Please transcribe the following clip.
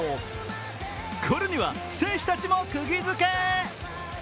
これには選手たちもくぎづけ。